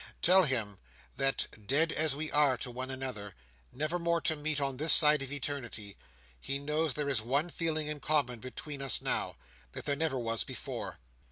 Tell him, that, dead as we are to one another, never more to meet on this side of eternity, he knows there is one feeling in common between us now, that there never was before."